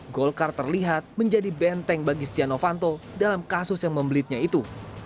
golkar terlihat menjadi benteng bagi setia novanto dalam kasus yang membelitnya itu